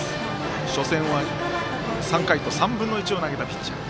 初戦は３回と３分の１を投げたピッチャー。